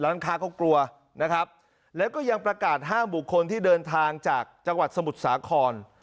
ร้านค้าเขากลัวนะครับแล้วก็ยังประกาศห้ามบุคคลที่เดินทางจากจังหวัดสมุทรสาคร